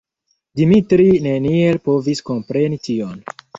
Dimitri neniel povis kompreni tion.